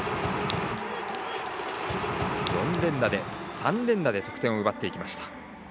３連打で得点を奪っていきました。